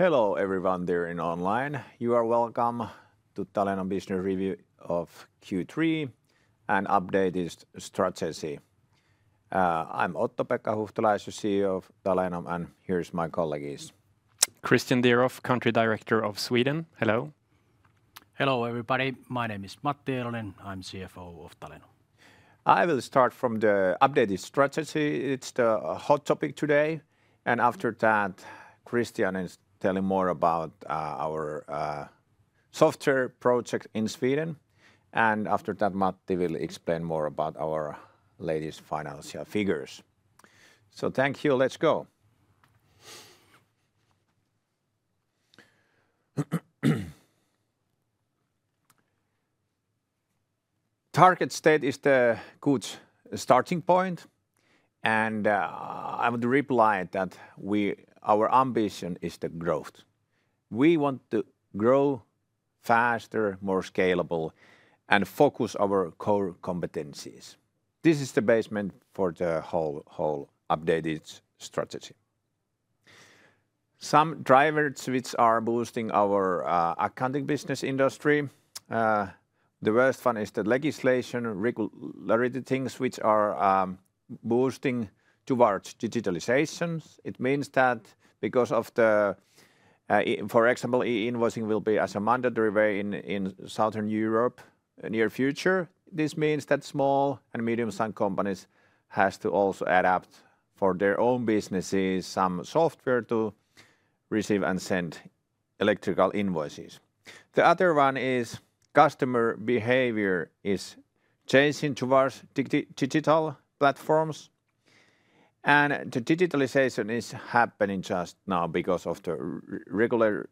Hello everyone there online. You are welcome to Talenom Business Review of Q3 and Updated Strategy. I'm Otto-Pekka Huhtala, as you see, of Talenom, and here are my colleagues. Christian Dieroff, Country Director of Sweden. Hello. Hello everybody. My name is Matti Eilonen. I'm CFO of Talenom. I will start from the updated strategy. It's the hot topic today. And after that, Christian is telling more about our software project in Sweden. And after that, Matti will explain more about our latest financial figures. So thank you. Let's go. Target state is the good starting point. And I would reply that our ambition is the growth. We want to grow faster, more scalable, and focus on our core competencies. This is the basis for the whole updated strategy. Some drivers which are boosting our accounting business industry, the first one is the legislation regulating things which are boosting towards digitalization. It means that because of the, for example, e-invoicing will be a mandatory way in Southern Europe in the near future. This means that small and medium-sized companies have to also adapt for their own businesses some software to receive and send electronic invoices. The other one is customer behavior is changing towards digital platforms, and the digitalization is happening just now because of the regulatory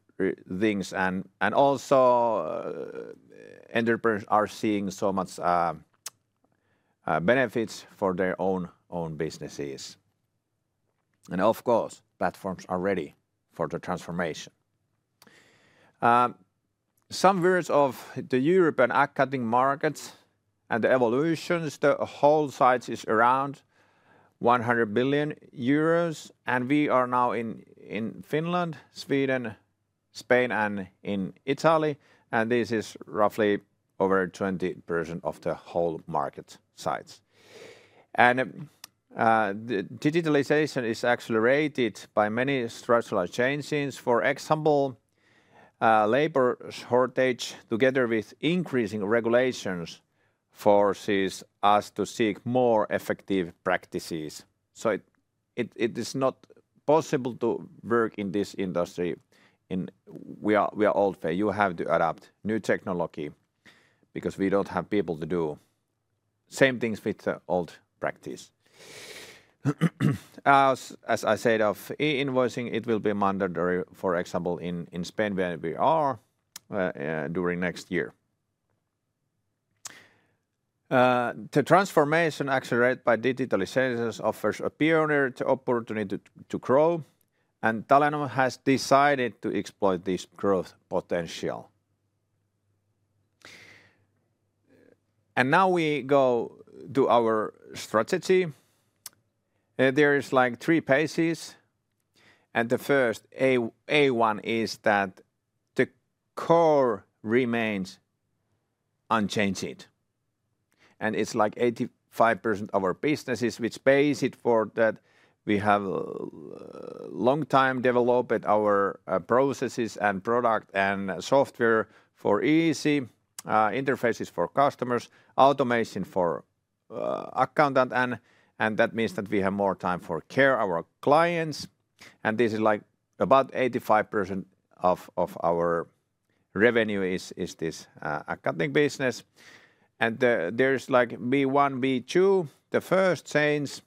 things. And also entrepreneurs are seeing so much benefits for their own businesses, and of course, platforms are ready for the transformation. Some words of the European accounting markets and the evolutions. The whole size is around 100 billion euros. And we are now in Finland, Sweden, Spain, and in Italy. And this is roughly over 20% of the whole market size. And digitalization is accelerated by many structural changes. For example, labor shortage together with increasing regulations forces us to seek more effective practices. So it is not possible to work in this industry if we are old-fashioned. You have to adopt new technology because we don't have people to do the same things with the old practice. As I said, e-invoicing will be mandatory, for example, in Spain where we are during next year. The transformation accelerated by digitalization offers a pioneering opportunity to grow. And Talenom has decided to exploit this growth potential. And now we go to our strategy. There are like three phases. And the first A1 is that the core remains unchanged. And it's like 85% of our businesses which is based on that. We have a long time developed our processes and product and software for easy interfaces for customers, automation for accountants. And that means that we have more time to care for our clients. And this is like about 85% of our revenue is this accounting business. And there's like B1, B2. The first change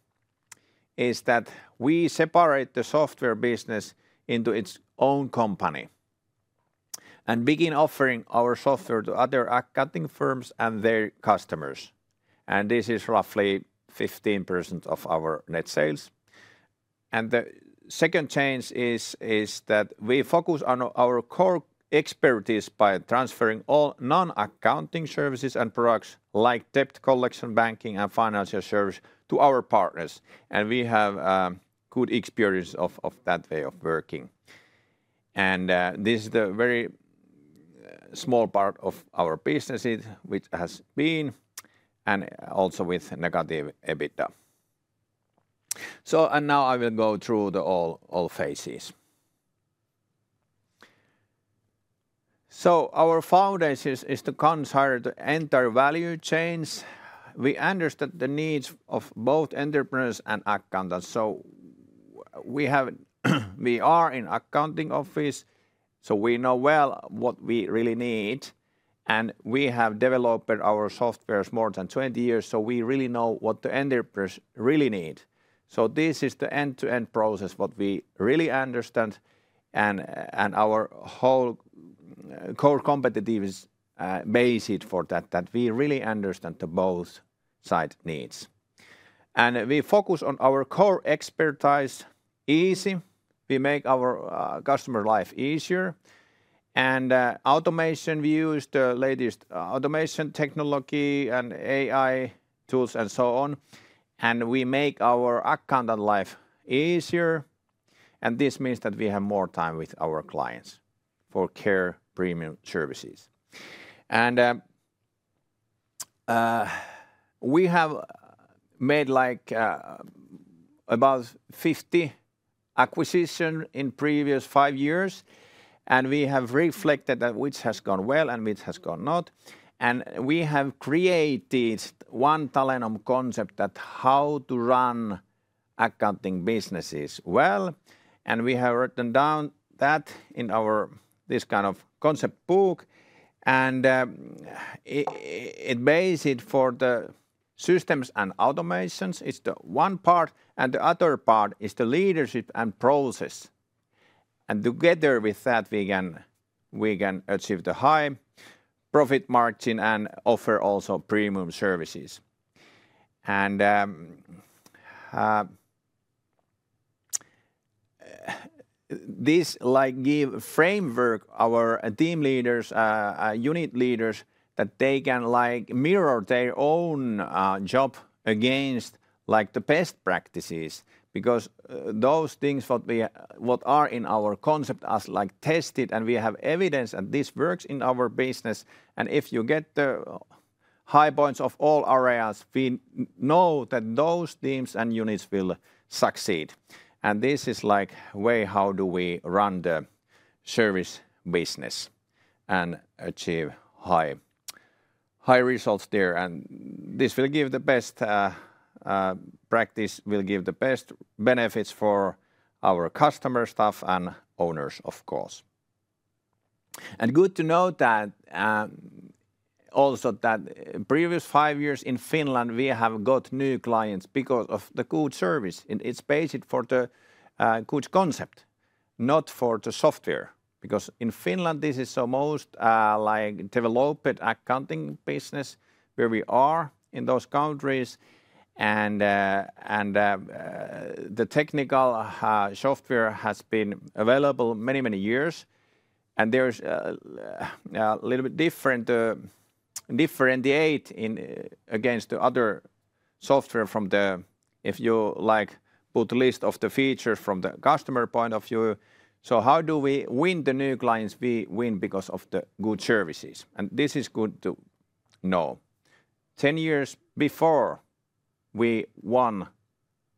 is that we separate the software business into its own company and begin offering our software to other accounting firms and their customers. This is roughly 15% of our net sales. The second change is that we focus on our core expertise by transferring all non-accounting services and products like debt collection, banking, and financial service to our partners. We have good experience of that way of working. This is the very small part of our business which has been and also with negative EBITDA. Now I will go through the all phases. Our foundation is to consider the entire value chains. We understand the needs of both entrepreneurs and accountants. We are in an accounting office. We know well what we really need. We have developed our software for more than 20 years. We really know what the entrepreneurs really need. This is the end-to-end process what we really understand. Our whole core competitiveness is based for that. We really understand both sides' needs, and we focus on our core expertise. Easy. We make our customer life easier, and automation. We use the latest automation technology and AI tools and so on, and we make our accountant life easier, and this means that we have more time with our clients for care premium services, and we have made like about 50 acquisitions in the previous five years, and we have reflected that which has gone well and which has gone not, and we have created One Talenom concept that how to run accounting businesses well, and we have written down that in our this kind of concept book, and it bases it for the systems and automations. It's the one part, and the other part is the leadership and process, and together with that, we can achieve the high profit margin and offer also premium services. And this like gives a framework to our team leaders, unit leaders, that they can like mirror their own job against like the best practices. Because those things what are in our concept as like tested and we have evidence that this works in our business. And if you get the high points of all areas, we know that those teams and units will succeed. And this is like way how do we run the service business and achieve high results there. And this will give the best practice, will give the best benefits for our customer staff and owners, of course. And good to know that also previous five years in Finland, we have got new clients because of the good service. It's basically for the good concept, not for the software. Because in Finland, this is the most developed accounting business where we are in those countries. And the technical software has been available many, many years. And there's a little bit different differentiate against the other software from the, if you like, put list of the features from the customer point of view. So how do we win the new clients? We win because of the good services. And this is good to know. Ten years before, we won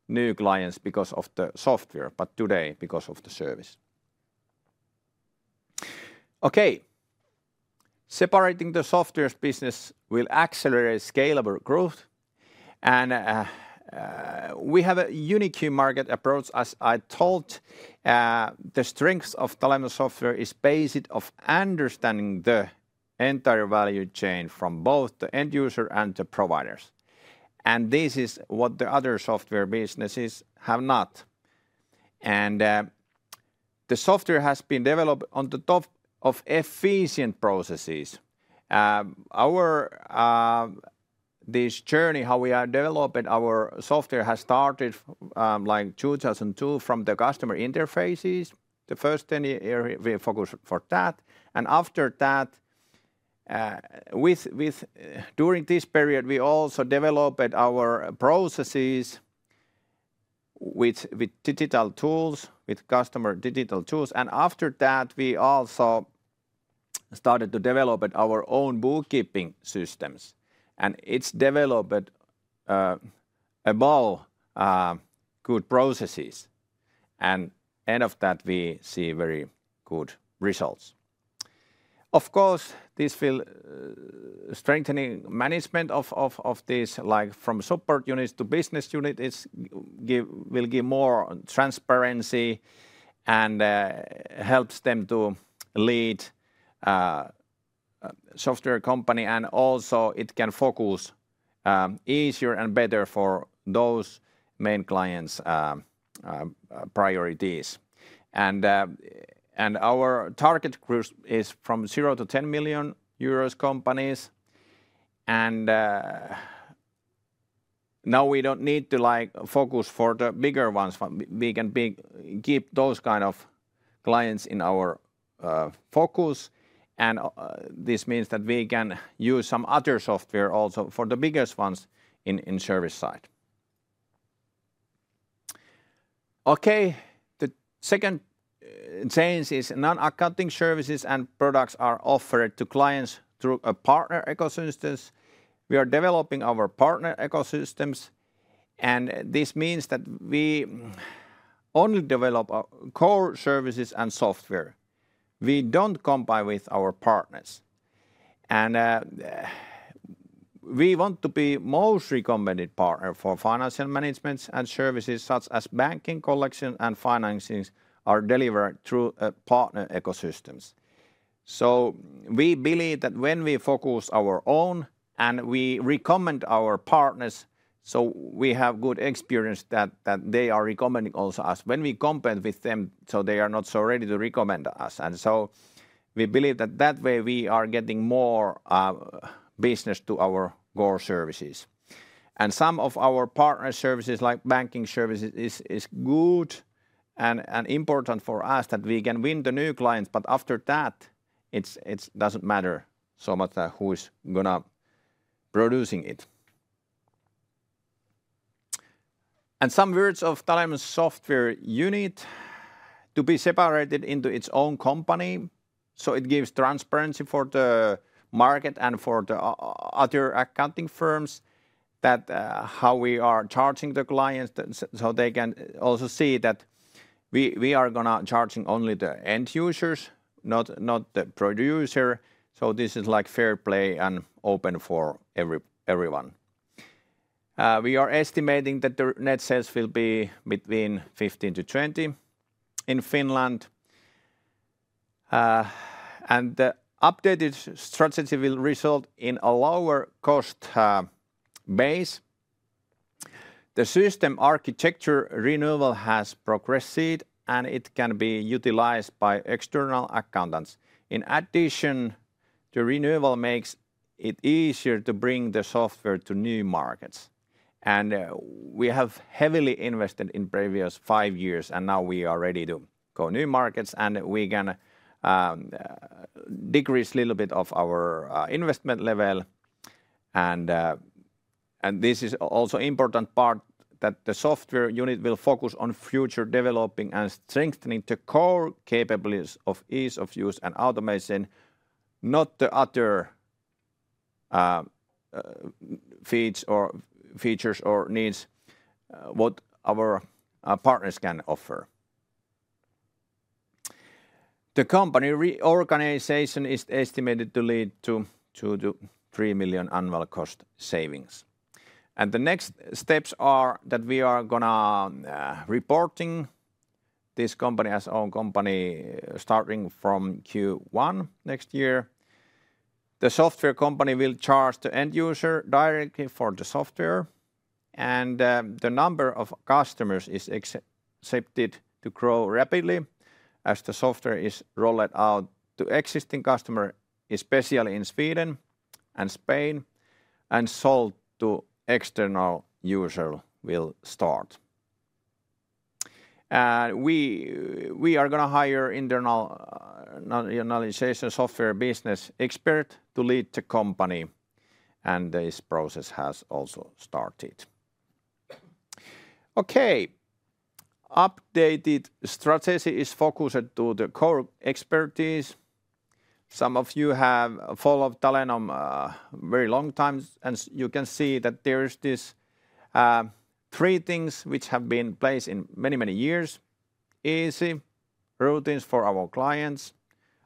new clients because of the software, but today because of the service. Okay. Separating the software business will accelerate scalable growth. And we have a unique market approach. As I told, the strength of Talenom software is based on understanding the entire value chain from both the end user and the providers. And this is what the other software businesses have not. And the software has been developed on the top of efficient processes. This journey, how we are developing our software, has started like 2002 from the customer interfaces. The first 10 years, we focused for that, and after that, during this period, we also developed our processes with digital tools, with customer digital tools, and after that, we also started to develop our own bookkeeping systems, and it's developed above good processes, and end of that, we see very good results. Of course, this will strengthen management of this, like from support units to business units, will give more transparency and helps them to lead software company, and also it can focus easier and better for those main clients' priorities, and our target group is from 0 to 10 million euros companies, and now we don't need to focus for the bigger ones. We can keep those kind of clients in our focus. This means that we can use some other software also for the biggest ones on the service side. Okay. The second change is non-accounting services and products are offered to clients through a partner ecosystem. We are developing our partner ecosystems. This means that we only develop core services and software. We don't compete with our partners. We want to be the most recommended partner for financial management, and services such as banking, collection, and financing are delivered through partner ecosystems. We believe that when we focus on our own and we recommend our partners, we have good experience that they are recommending us also. When we compete with them, they are not so ready to recommend us. We believe that that way we are getting more business to our core services. And some of our partner services, like banking services, is good and important for us that we can win the new clients. But after that, it doesn't matter so much who is going to be producing it. And somewhat of Talenom Software Unit to be separated into its own company. So it gives transparency for the market and for the other accounting firms that how we are charging the clients. So they can also see that we are going to be charging only the end users, not the producer. So this is like fair play and open for everyone. We are estimating that the net sales will be between 15-20 in Finland. And the updated strategy will result in a lower cost base. The system architecture renewal has progressed and it can be utilized by external accountants. In addition, the renewal makes it easier to bring the software to new markets, and we have heavily invested in the previous five years, and now we are ready to go to new markets, and we can decrease a little bit of our investment level. And this is also an important part that the software unit will focus on future developing and strengthening the core capabilities of ease of use and automation, not the other features or needs what our partners can offer. The company reorganization is estimated to lead to 3 million annual cost savings. The next steps are that we are going to report this company as our own company starting from Q1 next year. The software company will charge the end user directly for the software. And the number of customers is expected to grow rapidly as the software is rolled out to existing customers, especially in Sweden and Spain, and sold to external users will start. And we are going to hire internal organization software business expert to lead the company. And this process has also started. Okay. Updated strategy is focused on the core expertise. Some of you have followed Talenom very long time. And you can see that there are these three things which have been in place in many, many years: easy routines for our clients,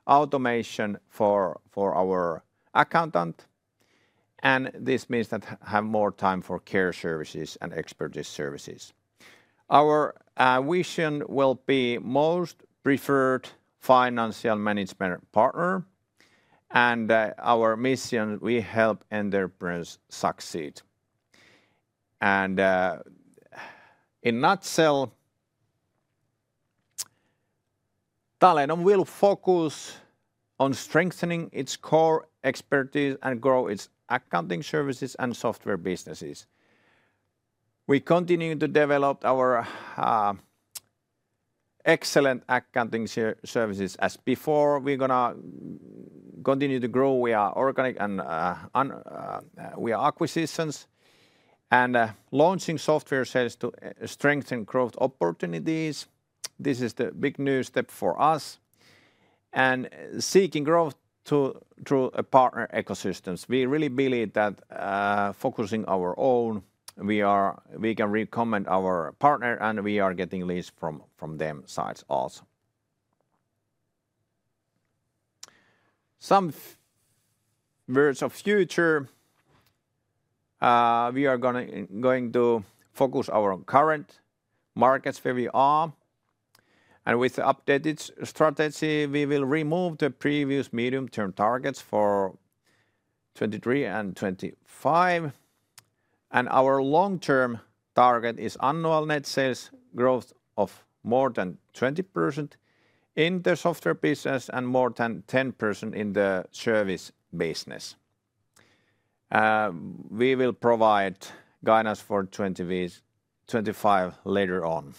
automation for our accountant. And this means that we have more time for care services and expertise services. Our vision will be the most preferred financial management partner. And our mission is to help entrepreneurs succeed. And in a nutshell, Talenom will focus on strengthening its core expertise and grow its accounting services and software businesses. We continue to develop our excellent accounting services as before. We're going to continue to grow with our organic acquisitions and launching software sales to strengthen growth opportunities. This is the big new step for us, and seeking growth through partner ecosystems. We really believe that focusing on our own, we can recommend our partners and we are getting leads from them sides also. Some words of future. We are going to focus on our current markets where we are, and with the updated strategy, we will remove the previous medium-term targets for 2023 and 2025, and our long-term target is annual net sales growth of more than 20% in the software business and more than 10% in the service business. We will provide guidance for 2025 later on.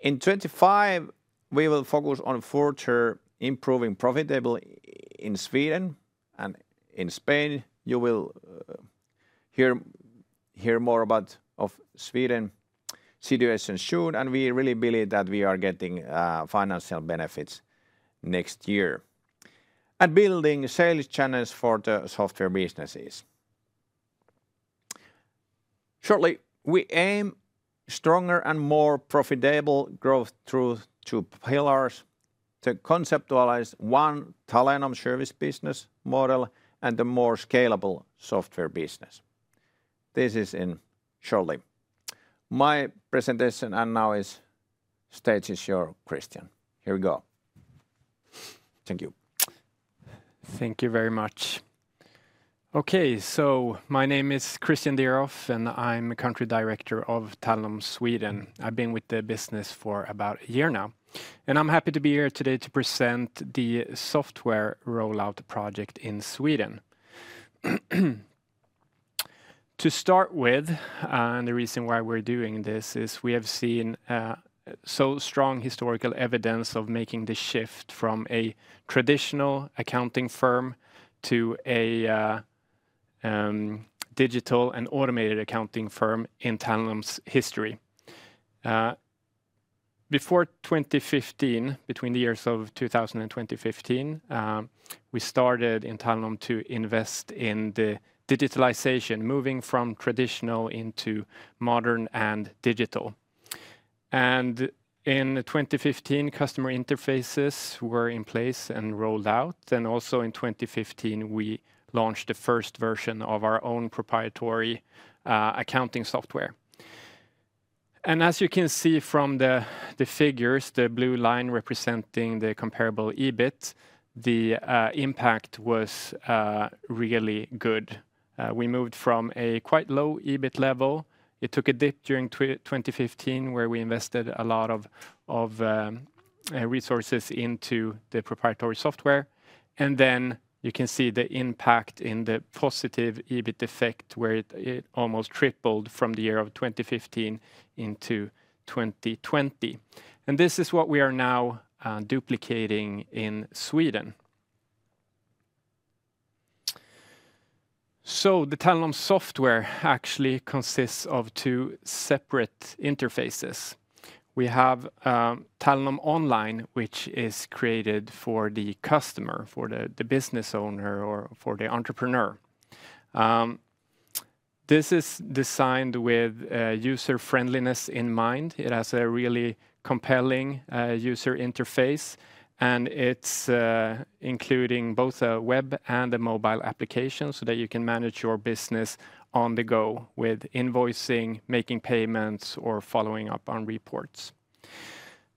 In 2025, we will focus on further improving profitability in Sweden and in Spain. You will hear more about Sweden's situation soon, and we really believe that we are getting financial benefits next year, and building sales channels for the software businesses. Shortly, we aim for stronger and more profitable growth through two pillars: to conceptualize One Talenom service business model and a more scalable software business. This is in short. My presentation is now over. The stage is yours, Christian. Here we go. Thank you. Thank you very much. Okay, so my name is Christian Dieroff and I'm a Country Director of Talenom Sweden. I've been with the business for about a year now, and I'm happy to be here today to present the software rollout project in Sweden. To start with, and the reason why we're doing this is we have seen so strong historical evidence of making the shift from a traditional accounting firm to a digital and automated accounting firm in Talenom's history. Before 2015, between the years of 2000 and 2015, we started in Talenom to invest in the digitalization, moving from traditional into modern and digital. And in 2015, customer interfaces were in place and rolled out. And also in 2015, we launched the first version of our own proprietary accounting software. And as you can see from the figures, the blue line representing the comparable EBIT, the impact was really good. We moved from a quite low EBIT level. It took a dip during 2015 where we invested a lot of resources into the proprietary software. And then you can see the impact in the positive EBIT effect where it almost tripled from the year of 2015 into 2020. And this is what we are now duplicating in Sweden. So the Talenom software actually consists of two separate interfaces. We have Talenom Online, which is created for the customer, for the business owner or for the entrepreneur. This is designed with user friendliness in mind. It has a really compelling user interface. And it's including both a web and a mobile application so that you can manage your business on the go with invoicing, making payments, or following up on reports.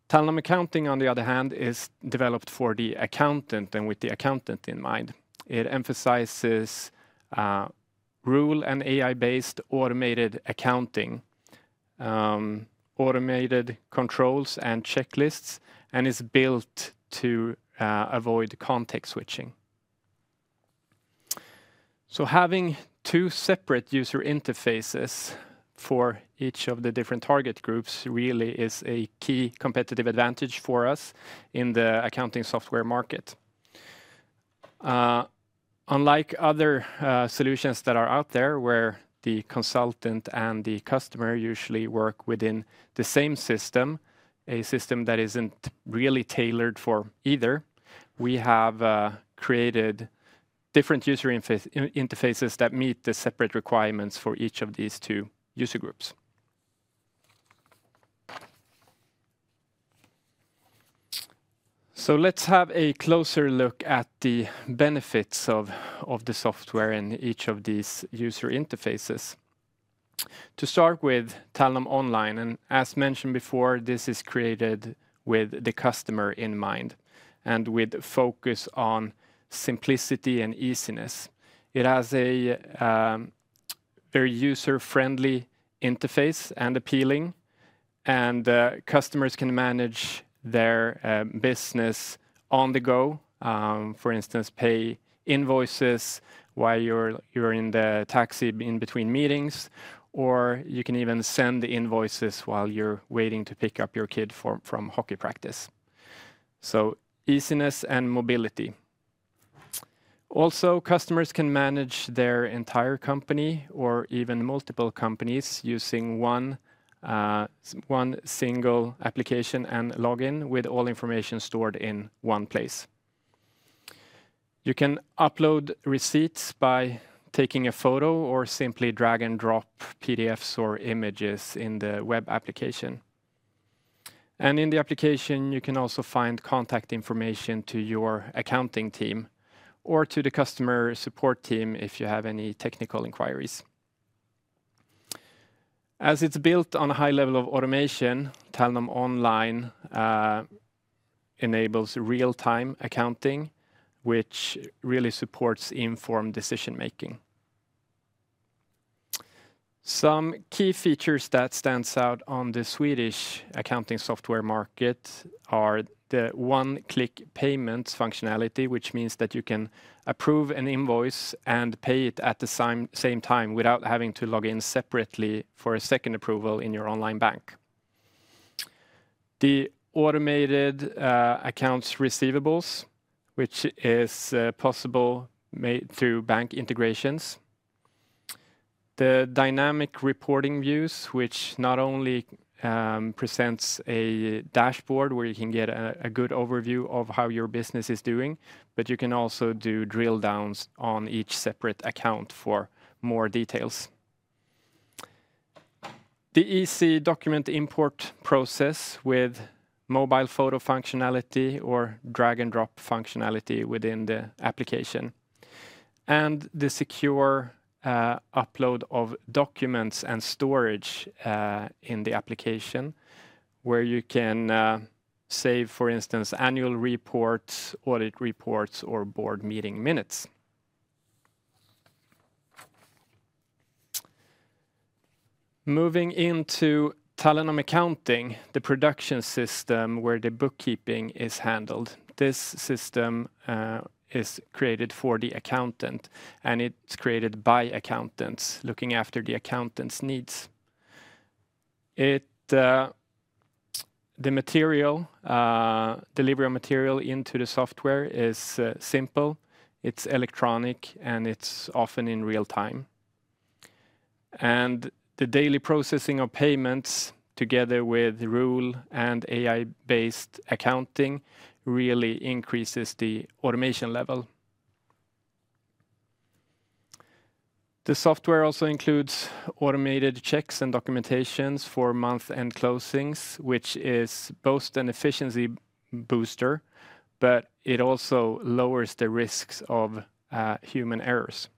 Talenom Accounting, on the other hand, is developed for the accountant and with the accountant in mind. It emphasizes rule and AI-based automated accounting, automated controls and checklists, and is built to avoid context switching. Having two separate user interfaces for each of the different target groups really is a key competitive advantage for us in the accounting software market. Unlike other solutions that are out there where the consultant and the customer usually work within the same system, a system that isn't really tailored for either, we have created different user interfaces that meet the separate requirements for each of these two user groups. Let's have a closer look at the benefits of the software in each of these user interfaces. To start with Talenom Online, and as mentioned before, this is created with the customer in mind and with focus on simplicity and easiness. It has a very user-friendly interface and appealing, and customers can manage their business on the go. For instance, pay invoices while you're in the taxi in between meetings, or you can even send the invoices while you're waiting to pick up your kid from hockey practice, so easiness and mobility. Also, customers can manage their entire company or even multiple companies using one single application and login with all information stored in one place. You can upload receipts by taking a photo or simply drag and drop PDFs or images in the web application, and in the application, you can also find contact information to your accounting team or to the customer support team if you have any technical inquiries. As it's built on a high level of automation, Talenom Online enables real-time accounting, which really supports informed decision-making. Some key features that stand out on the Swedish accounting software market are the one-click payments functionality, which means that you can approve an invoice and pay it at the same time without having to log in separately for a second approval in your online bank. The automated accounts receivables, which is possible through bank integrations. The dynamic reporting views, which not only presents a dashboard where you can get a good overview of how your business is doing, but you can also do drill downs on each separate account for more details. The easy document import process with mobile photo functionality or drag and drop functionality within the application, and the secure upload of documents and storage in the application where you can save, for instance, annual reports, audit reports, or board meeting minutes. Moving into Talenom Accounting, the production system where the bookkeeping is handled. This system is created for the accountant, and it's created by accountants looking after the accountant's needs. The delivery of material into the software is simple. It's electronic, and it's often in real time, and the daily processing of payments together with rule and AI-based accounting really increases the automation level. The software also includes automated checks and documentations for month-end closings, which is both an efficiency booster, but it also lowers the risks of human errors.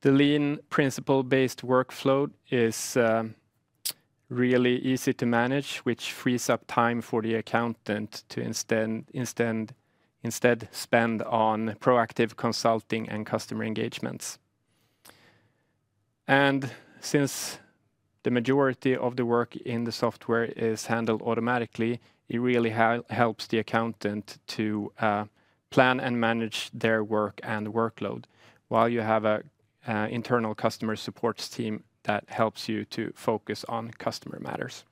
The lean principle-based workflow is really easy to manage, which frees up time for the accountant to instead spend on proactive consulting and customer engagements, and since the majority of the work in the software is handled automatically, it really helps the accountant to plan and manage their work and workload while you have an internal customer support team that helps you to focus on customer matters.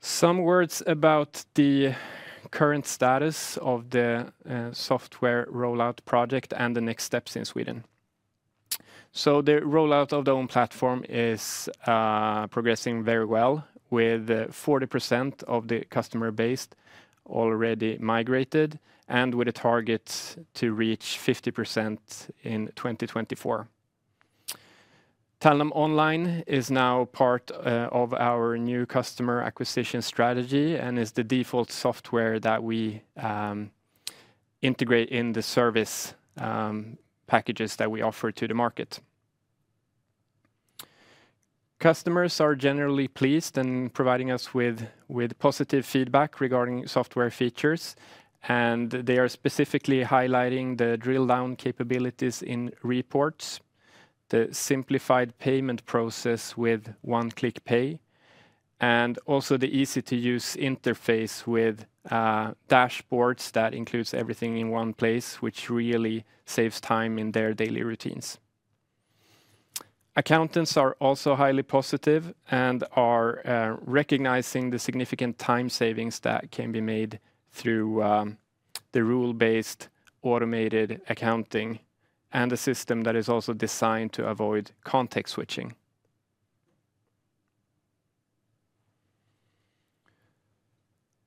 Some words about the current status of the software rollout project and the next steps in Sweden. So the rollout of the own platform is progressing very well with 40% of the customer base already migrated and with a target to reach 50% in 2024. Talenom Online is now part of our new customer acquisition strategy and is the default software that we integrate in the service packages that we offer to the market. Customers are generally pleased and providing us with positive feedback regarding software features. And they are specifically highlighting the drill down capabilities in reports, the simplified payment process with one-click pay, and also the easy-to-use interface with dashboards that includes everything in one place, which really saves time in their daily routines. Accountants are also highly positive and are recognizing the significant time savings that can be made through the rule-based automated accounting and a system that is also designed to avoid context switching.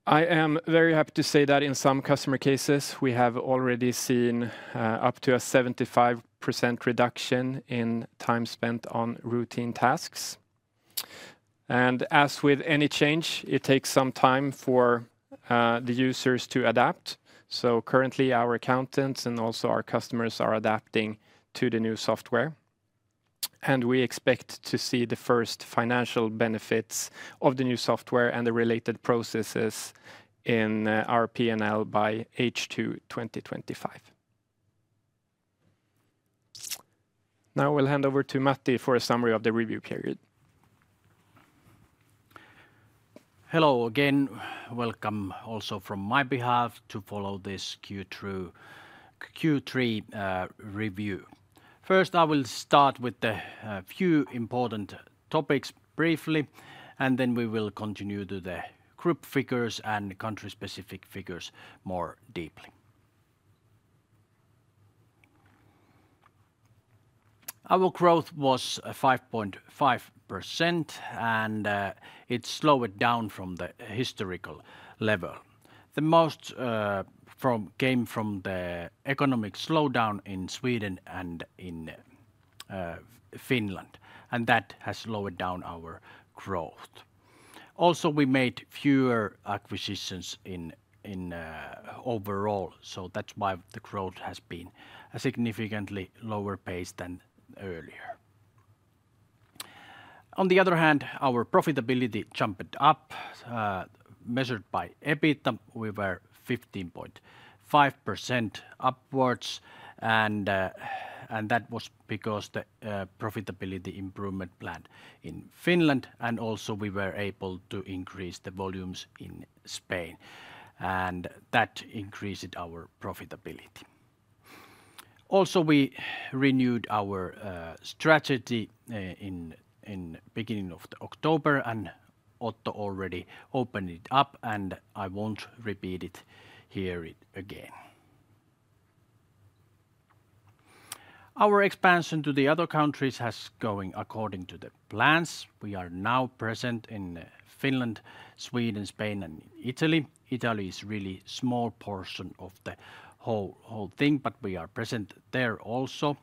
I am very happy to say that in some customer cases, we have already seen up to a 75% reduction in time spent on routine tasks, and as with any change, it takes some time for the users to adapt. So currently, our accountants and also our customers are adapting to the new software, and we expect to see the first financial benefits of the new software and the related processes in our P&L by H2 2025. Now we'll hand over to Matti for a summary of the review period. Hello again. Welcome also from my behalf to follow this Q3 review. First, I will start with a few important topics briefly, and then we will continue to the group figures and country-specific figures more deeply. Our growth was 5.5%, and it slowed down from the historical level. The most came from the economic slowdown in Sweden and in Finland, and that has slowed down our growth. Also, we made fewer acquisitions in overall, so that's why the growth has been a significantly lower pace than earlier. On the other hand, our profitability jumped up, measured by EBITDA. We were 15.5% upwards, and that was because of the profitability improvement plan in Finland, and also we were able to increase the volumes in Spain, and that increased our profitability. Also, we renewed our strategy in the beginning of October, and Otto already opened it up, and I won't repeat it here again. Our expansion to the other countries has gone according to the plans. We are now present in Finland, Sweden, Spain, and Italy. Italy is a really small portion of the whole thing, but we are present there also.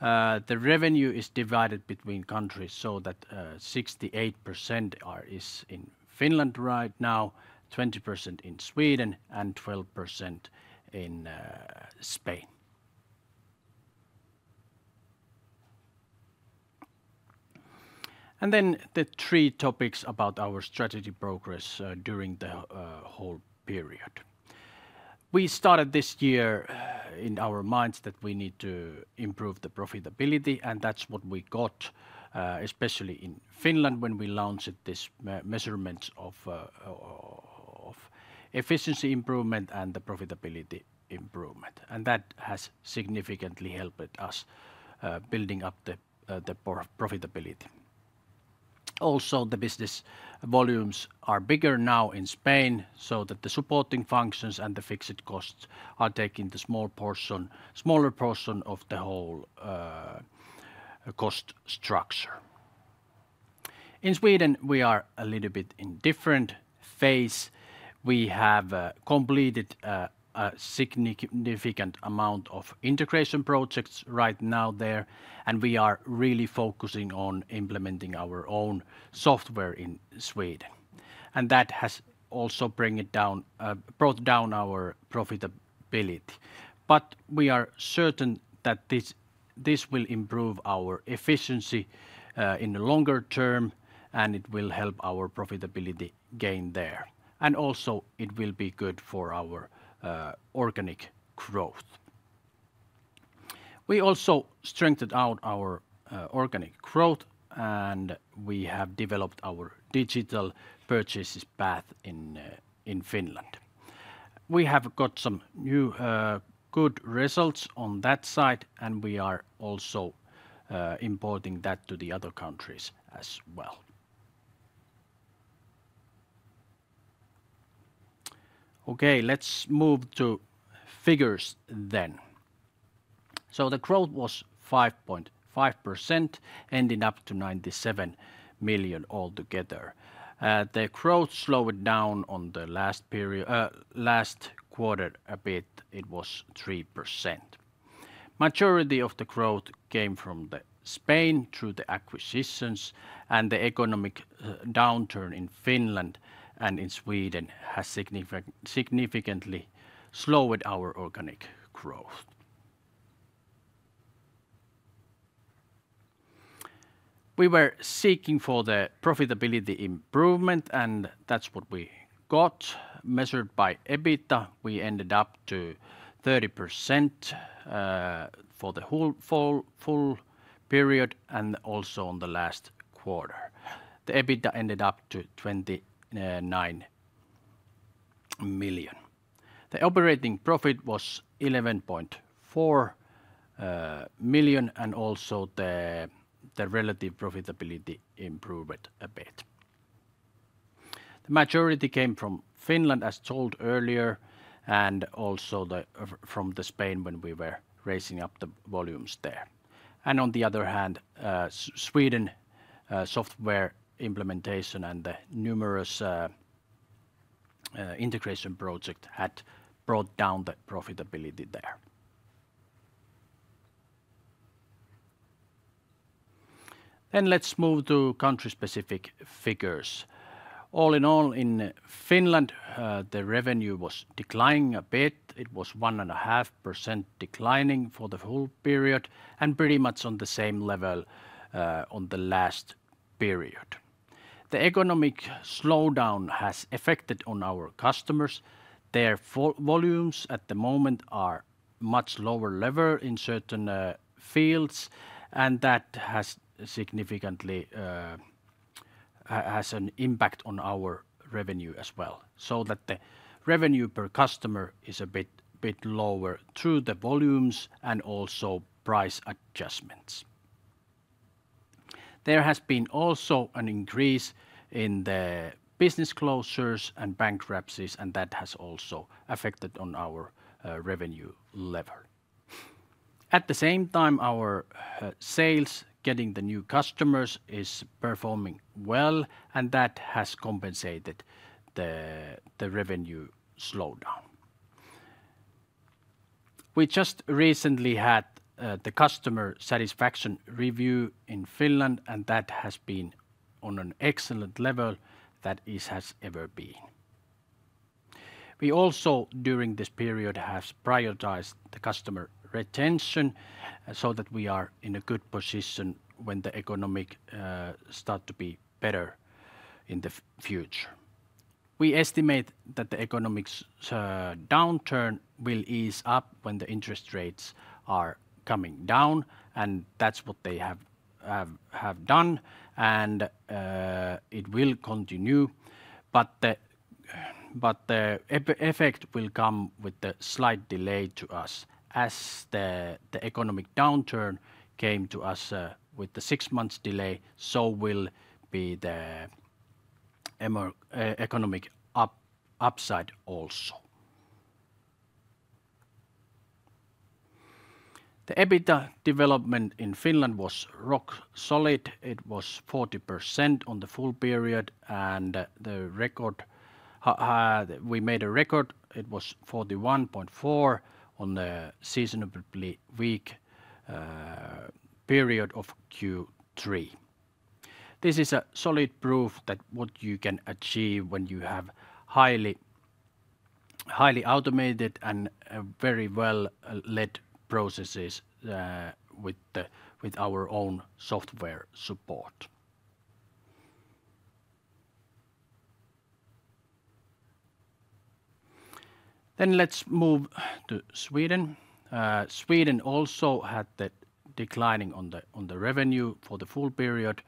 The revenue is divided between countries so that 68% is in Finland right now, 20% in Sweden, and 12% in Spain. And then the three topics about our strategy progress during the whole period. We started this year in our minds that we need to improve the profitability, and that's what we got, especially in Finland when we launched this measurement of efficiency improvement and the profitability improvement. And that has significantly helped us building up the profitability. Also, the business volumes are bigger now in Spain so that the supporting functions and the fixed costs are taking the smaller portion of the whole cost structure. In Sweden, we are a little bit in a different phase. We have completed a significant amount of integration projects right now there, and we are really focusing on implementing our own software in Sweden, and that has also brought down our profitability, but we are certain that this will improve our efficiency in the longer term, and it will help our profitability gain there, and also, it will be good for our organic growth. We also strengthened our organic growth, and we have developed our digital purchases path in Finland. We have got some new good results on that side, and we are also importing that to the other countries as well. Okay, let's move to figures then, so the growth was 5.5%, ending up to 97 million altogether. The growth slowed down on the last quarter a bit. It was 3%. Majority of the growth came from Spain through the acquisitions, and the economic downturn in Finland and in Sweden has significantly slowed our organic growth. We were seeking for the profitability improvement, and that's what we got. Measured by EBITDA, we ended up to 30% for the whole full period and also on the last quarter. The EBITDA ended up to 29 million. The operating profit was 11.4 million, and also the relative profitability improved a bit. The majority came from Finland, as told earlier, and also from Spain when we were raising up the volumes there. And on the other hand, Sweden's software implementation and the numerous integration projects had brought down the profitability there. Then let's move to country-specific figures. All in all, in Finland, the revenue was declining a bit. It was 1.5% declining for the whole period and pretty much on the same level on the last period. The economic slowdown has affected our customers. Their volumes at the moment are much lower level in certain fields, and that has significantly an impact on our revenue as well. So that the revenue per customer is a bit lower through the volumes and also price adjustments. There has been also an increase in the business closures and bankruptcies, and that has also affected our revenue level. At the same time, our sales getting the new customers is performing well, and that has compensated the revenue slowdown. We just recently had the customer satisfaction review in Finland, and that has been on an excellent level that it has ever been. We also, during this period, have prioritized the customer retention so that we are in a good position when the economy starts to be better in the future. We estimate that the economic downturn will ease up when the interest rates are coming down, and that's what they have done, and it will continue. But the effect will come with the slight delay to us. As the economic downturn came to us with the six-month delay, so will be the economic upside also. The EBITDA development in Finland was rock solid. It was 40% on the full period, and we made a record. It was 41.4% on the seasonally weak period of Q3. This is solid proof that what you can achieve when you have highly automated and very well-led processes with our own software support. Then let's move to Sweden. Sweden also had the declining on the revenue for the full period,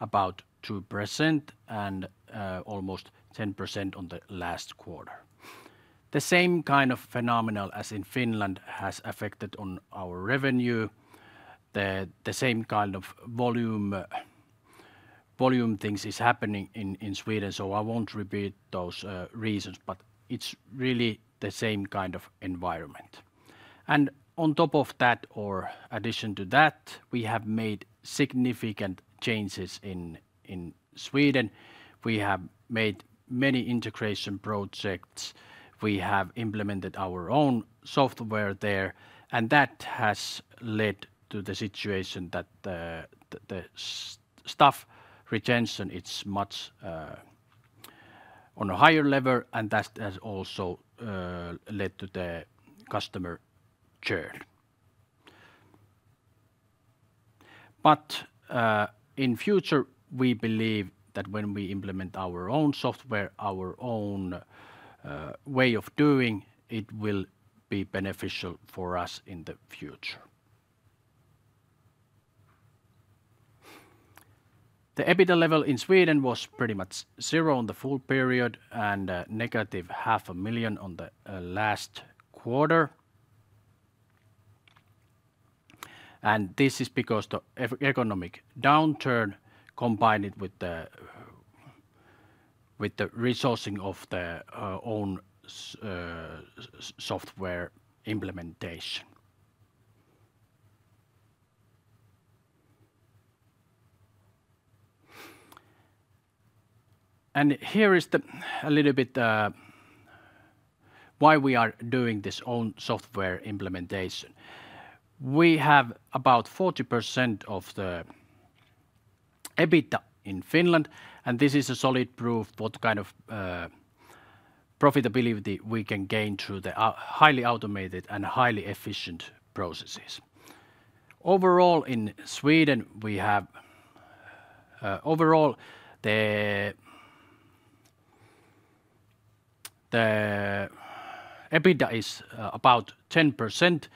about 2%, and almost 10% on the last quarter. The same kind of phenomenon as in Finland has affected our revenue. The same kind of volume things are happening in Sweden, so I won't repeat those reasons, but it's really the same kind of environment, and on top of that, or addition to that, we have made significant changes in Sweden. We have made many integration projects. We have implemented our own software there, and that has led to the situation that the staff retention is much on a higher level, and that has also led to the customer churn, but in future, we believe that when we implement our own software, our own way of doing, it will be beneficial for us in the future. The EBITDA level in Sweden was pretty much zero over the full period and negative EUR 500,000 in the last quarter. And this is because the economic downturn combined with the resourcing of the own software implementation. And here is a little bit why we are doing this own software implementation. We have about 40% of the EBITDA in Finland, and this is a solid proof of what kind of profitability we can gain through the highly automated and highly efficient processes. Overall, in Sweden, the EBITDA is about 10%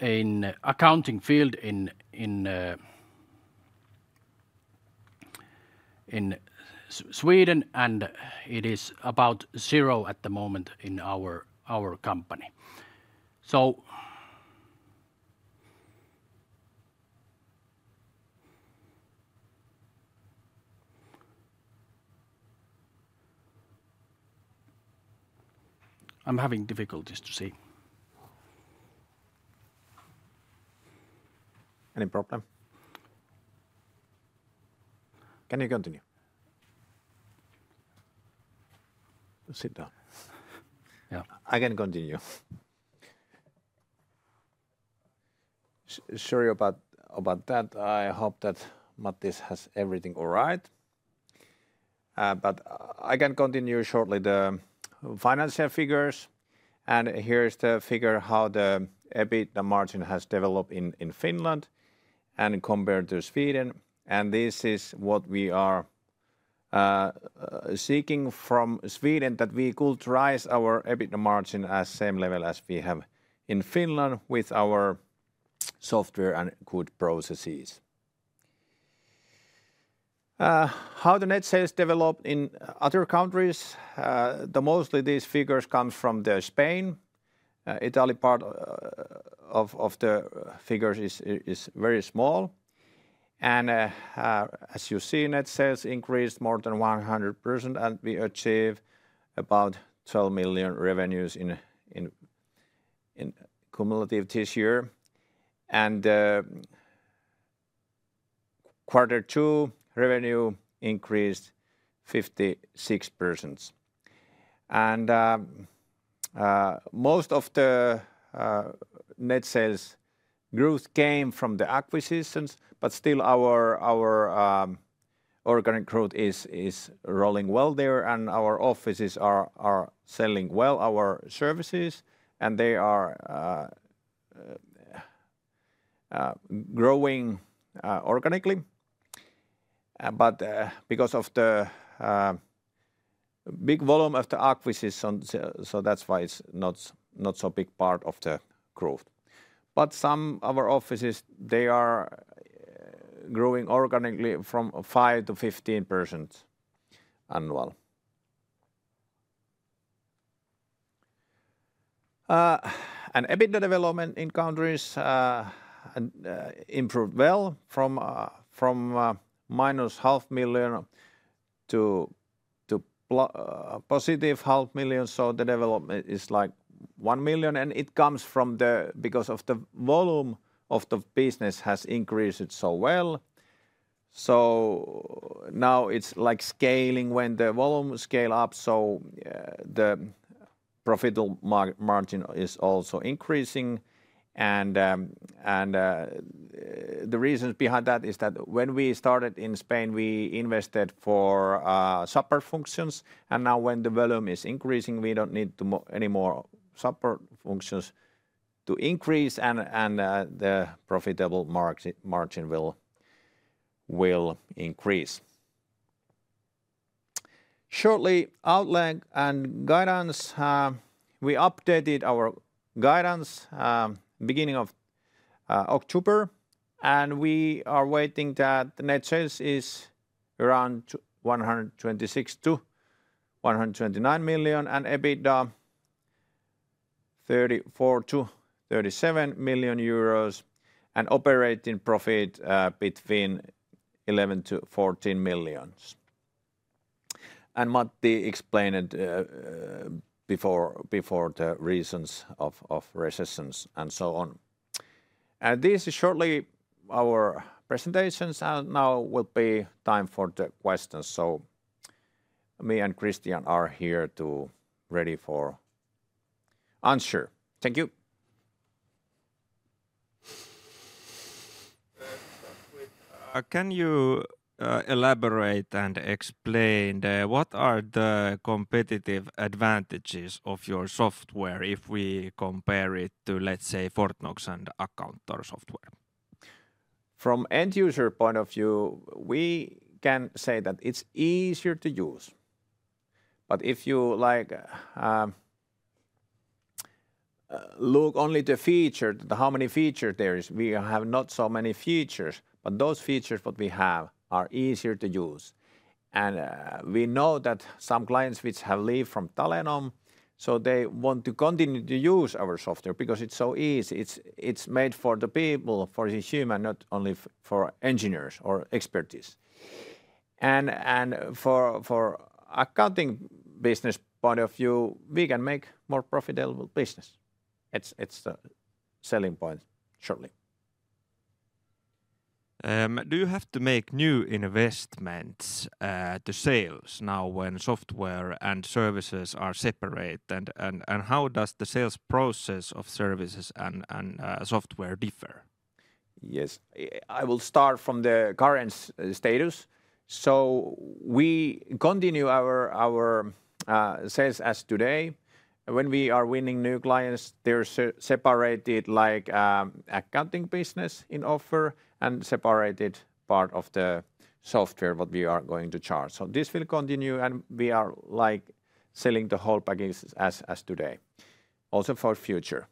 in accounting field in Sweden, and it is about zero at the moment in our company. So. I'm having difficulties to see. Any problem? Can you continue? Sit down. Yeah, I can continue. Sorry about that. I hope that Matti has everything all right. But I can continue shortly the financial figures. Here is the figure of how the EBITDA margin has developed in Finland and compared to Sweden. This is what we are seeking from Sweden, that we could raise our EBITDA margin at the same level as we have in Finland with our software and good processes. How the net sales developed in other countries, mostly these figures come from Spain. The Italy part of the figures is very small. As you see, net sales increased more than 100%, and we achieved about 12 million in revenue cumulatively this year. Quarter two revenue increased 56%. Most of the net sales growth came from the acquisitions, but still our organic growth is rolling well there, and our offices are selling well our services, and they are growing organically. Because of the big volume of the acquisitions, so that's why it's not so big part of the growth. Some of our offices, they are growing organically from 5%-15% annual. EBITDA development in countries improved well from -500,000 to +500,000, so the development is like 1 million. It comes from because the volume of the business has increased so well. Now it's like scaling when the volume scales up, so the profitable margin is also increasing. The reason behind that is that when we started in Spain, we invested for support functions, and now when the volume is increasing, we don't need any more support functions to increase, and the profitable margin will increase. Shortly, outline and guidance. We updated our guidance beginning of October, and we are waiting that the net sales is around 126-129 million and EBITDA 34-37 million euros and operating profit between 11-14 million. And Matti explained before the reasons of recessions and so on. And this is shortly our presentations, and now will be time for the questions. So me and Christian are here to ready for answer. Thank you. Can you elaborate and explain what are the competitive advantages of your software if we compare it to, let's say, Fortnox and Accountor software? From an end user point of view, we can say that it's easier to use. But if you look only at the feature, how many features there are, we have not so many features, but those features that we have are easier to use. We know that some clients which have left from Talenom, so they want to continue to use our software because it's so easy. It's made for the people, for the human, not only for engineers or expertise. And from an accounting business point of view, we can make more profitable business. It's the selling point, shortly. Do you have to make new investments to sales now when software and services are separate? And how does the sales process of services and software differ? Yes, I will start from the current status. So we continue our sales as today. When we are winning new clients, they're separated like accounting business in offer and separated part of the software what we are going to charge. So this will continue, and we are like selling the whole package as today. Also for future.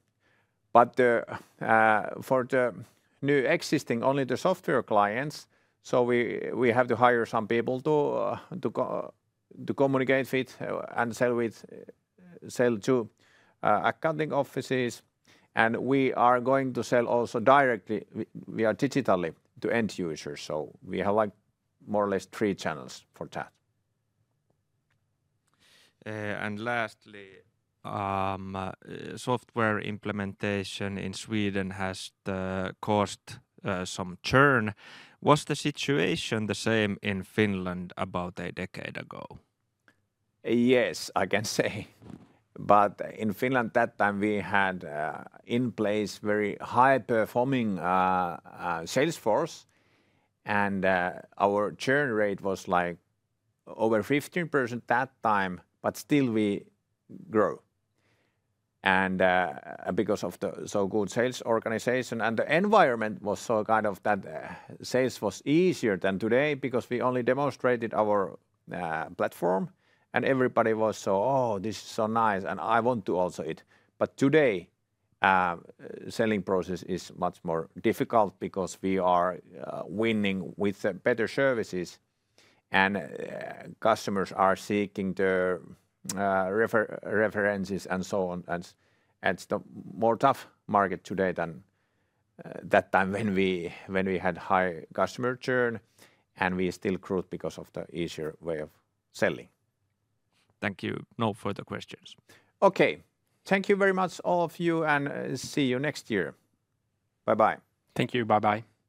But for the new existing only the software clients, so we have to hire some people to communicate with and sell to accounting offices. And we are going to sell also directly via digitally to end users. So we have like more or less three channels for that. And lastly, software implementation in Sweden has caused some churn. Was the situation the same in Finland about a decade ago? Yes, I can say. But in Finland that time we had in place a very high performing sales force, and our churn rate was like over 15% that time, but still we grow. And because of the so good sales organization and the environment was so kind of that sales was easier than today because we only demonstrated our platform and everybody was so, oh, this is so nice and I want to also it. But today the selling process is much more difficult because we are winning with better services and customers are seeking the references and so on. And it's a more tough market today than that time when we had high customer churn and we still grew because of the easier way of selling. Thank you. No further questions. Okay. Thank you very much, all of you, and see you next year. Bye-bye. Thank you. Bye-bye.